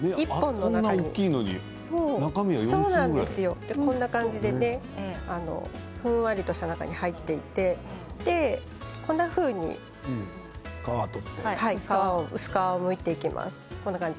こんなに大きいのにふんわりした中に入っていてこんなふうに薄皮をむいていきます。